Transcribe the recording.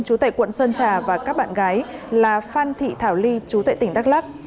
chú tệ quận sơn trà và các bạn gái là phan thị thảo ly chú tệ tỉnh đắk lắc